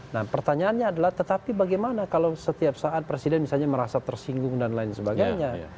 nah pertanyaannya adalah tetapi bagaimana kalau setiap saat presiden misalnya merasa tersinggung dan lain sebagainya